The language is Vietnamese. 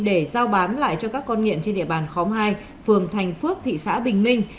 để giao bán lại cho các con nghiện trên địa bàn khóm hai phường thành phước thị xã bình minh